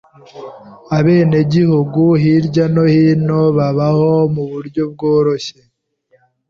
Abenegihugu hirya no hino babaho muburyo bworoshye.